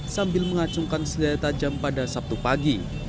sambil mengacungkan senjata tajam pada sabtu pagi